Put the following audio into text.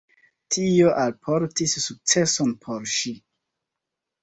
Tio alportis sukceson por ŝi.